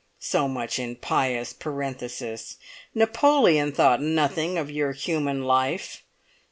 So much in pious parenthesis! Napoleon thought nothing of your human life.